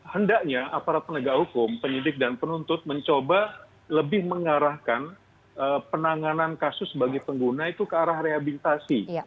hendaknya aparat penegak hukum penyidik dan penuntut mencoba lebih mengarahkan penanganan kasus bagi pengguna itu ke arah rehabilitasi